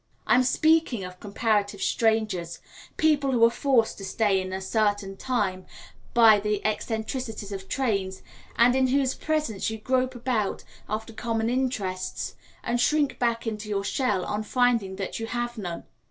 I am speaking of comparative strangers, people who are forced to stay a certain time by the eccentricities of trains, and in whose presence you grope about after common interests and shrink back into your shell on finding that you have none.